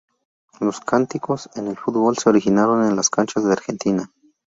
Los cánticos en el fútbol se originaron en las canchas de Argentina.